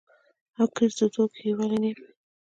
او ګرځېدو کښې ئې ولي نېغ وي -